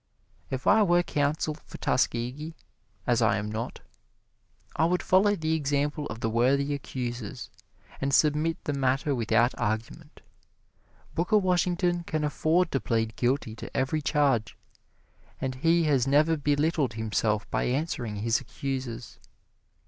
If I were counsel for Tuskegee as I am not I would follow the example of the worthy accusers, and submit the matter without argument. Booker Washington can afford to plead guilty to every charge; and he has never belittled himself by answering his accusers.